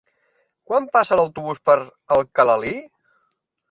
Quan passa l'autobús per Alcalalí?